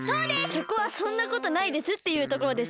そこは「そんなことないです」っていうところでしょ。